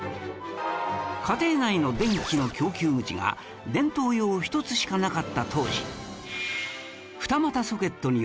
家庭内の電気の供給口が電灯用１つしかなかった当時